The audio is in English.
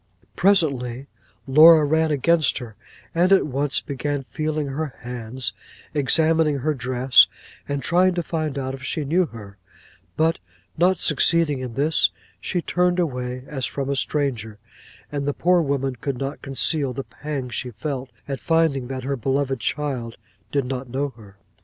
Presently Laura ran against her, and at once began feeling her hands, examining her dress, and trying to find out if she knew her; but not succeeding in this, she turned away as from a stranger, and the poor woman could not conceal the pang she felt, at finding that her beloved child did not know her.